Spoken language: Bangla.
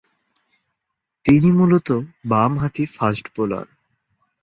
তিনি মূলতঃ বামহাতি ফাস্ট বোলার।